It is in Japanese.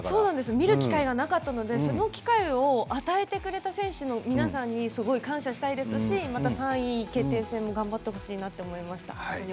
見る機会がなかったのでその機会を与えてくれた選手の皆さんに感謝したいですし３位決定戦も頑張ってほしいなと思いました。